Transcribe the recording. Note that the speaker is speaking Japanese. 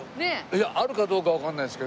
いやあるかどうかはわかんないですけど。